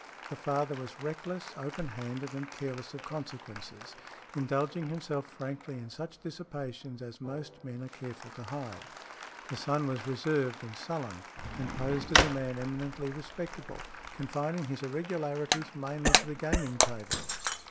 The father was reckless, open handed and careless of consequences, indulging himself frankly in such dissipations as most men are careful to hide. The son was reserved and sullen, and posed as a man eminently respectable, confining his irregularities mainly to the gaming table.